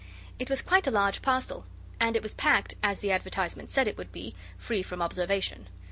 It was quite a large parcel, and it was packed, as the advertisement said it would be, 'free from observation.